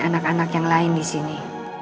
anak anak yang lain disini